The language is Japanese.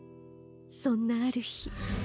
そんなあるひ。